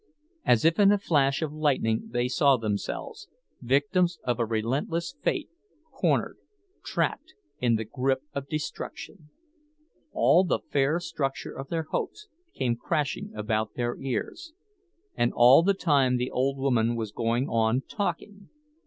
As if in a flash of lightning they saw themselves—victims of a relentless fate, cornered, trapped, in the grip of destruction. All the fair structure of their hopes came crashing about their ears.—And all the time the old woman was going on talking.